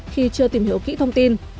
khi chưa tìm hiểu kỹ thông tin